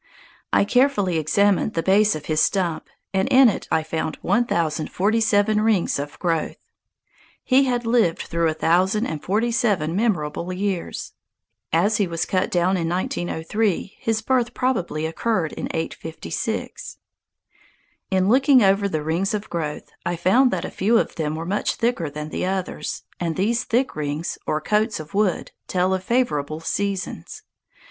I carefully examined the base of his stump, and in it I found 1047 rings of growth! He had lived through a thousand and forty seven memorable years. As he was cut down in 1903, his birth probably occurred in 856. In looking over the rings of growth, I found that a few of them were much thicker than the others; and these thick rings, or coats of wood, tell of favorable seasons.